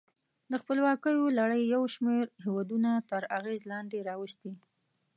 د خپلواکیو لړۍ یو شمیر هېودونه تر اغېز لاندې راوستي.